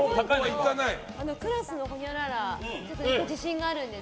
クラスのほにゃらら自信があるんです。